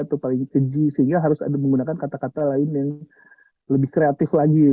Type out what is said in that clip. atau paling keji sehingga harus ada menggunakan kata kata lain yang lebih kreatif lagi